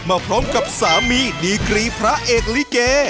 มาพร้อมกับสามีดีกรีพระเอกลิเก